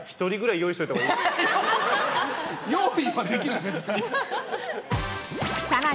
用意はできないよ、別に。